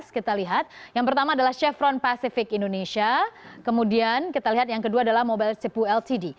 kita lihat yang pertama adalah chevron pacific indonesia kemudian kita lihat yang kedua adalah mobile cpo ltd